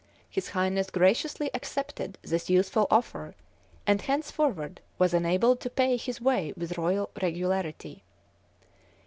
His highness graciously accepted this useful offer, and henceforward was enabled to pay his way with royal regularity.